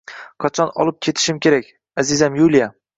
Qachon olib ketishim kerak, azizam Yuliya?